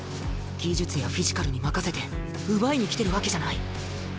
技術やフィジカルに任せて奪いに来てるわけじゃない。